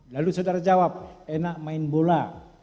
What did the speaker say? lalu saudara jawab enak main bola